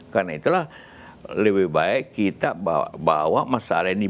karena itulah lebih baik kita bawa masalah ini